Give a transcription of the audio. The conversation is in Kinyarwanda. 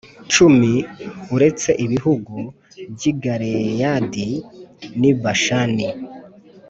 cumi uretse ibihugu by i Galeyadi n i Bashani